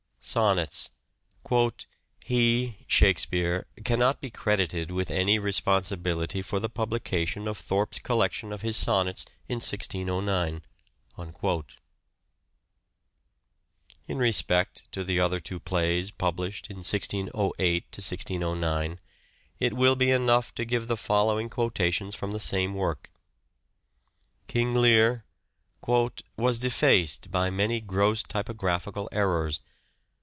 Sonnets : "He (Shakespeare) cannot be credited with any responsibility for the publication of Thorpe's collection of his sonnets in 1609." " King In respect to the other two plays published in •^Troilu^ 1608 9 it will be enough to give the following quota tions from the same work. " King Lear "..." was defaced by many gross typographical errors.